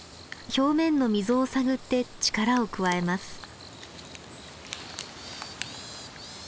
表面の溝を探って力を加えます。